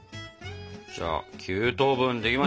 じゃあ９等分できました。